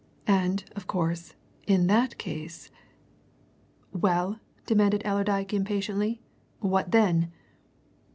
And, of course, in that case " "Well!" demanded Allerdyke impatiently. "What then?"